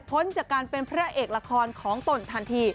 พ้นจากการเป็นพระเอกละครของตนทันที